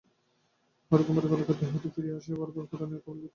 হরকুমার কলিকাতা হইতে ফিরিয়া আসিয়া বারবার কুড়ানির খবর লইতে লাগিলেন।